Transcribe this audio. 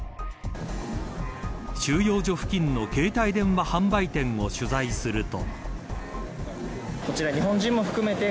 収容所付近の携帯電話販売店を取材すると。